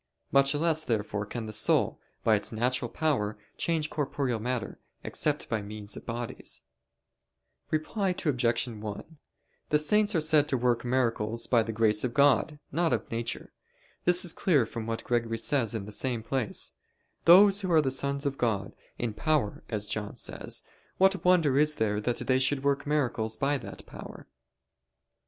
Much less therefore can the soul, by its natural power, change corporeal matter, except by means of bodies. Reply Obj. 1: The saints are said to work miracles by the power of grace, not of nature. This is clear from what Gregory says in the same place: "Those who are sons of God, in power, as John says what wonder is there that they should work miracles by that power?"